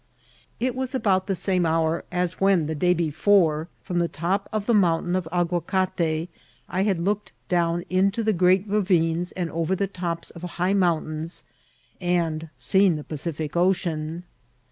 It was about the same hour as when, the day before, from the top of the mountain of Agua cate, I had looked down into great ravines and over the tops of high mountains, and seen the Pacific Ocean.